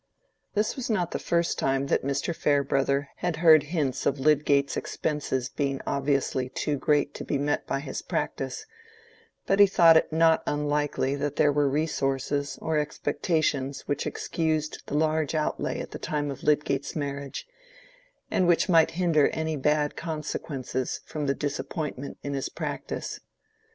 This was not the first time that Mr. Farebrother had heard hints of Lydgate's expenses being obviously too great to be met by his practice, but he thought it not unlikely that there were resources or expectations which excused the large outlay at the time of Lydgate's marriage, and which might hinder any bad consequences from the disappointment in his practice.